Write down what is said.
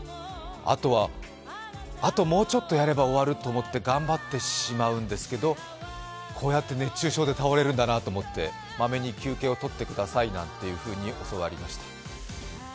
あとは、あともうちょっとやれば終わるって頑張ってしまうんですけど、こうやって熱中症で倒れるんだなと思って、マメに休憩をとってくださいなんていうふうに教わりました。